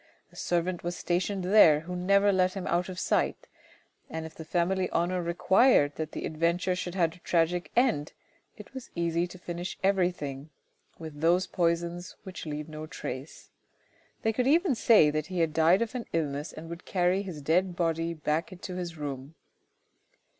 A servant was stationed there, who never let him out of sight, and if the family honour required that the adventure should have a tragic end, it was easy to finish everything with those poisons which leave no trace. They could then say that he had died of an illness and would carry his dead body back into his room.